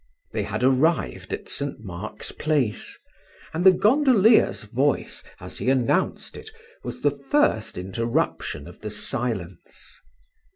They had arrived at St. Mark's Place, and the gondolier's voice, as he announced it, was the first interruption of the silence.